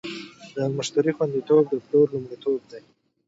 د مشتری خوندیتوب د پلور لومړیتوب دی.